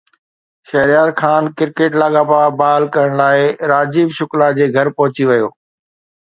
Shehryar Khan cricket لاڳاپا بحال ڪرڻ لاءِ راجيو شڪلا جي گهر پهچي ويو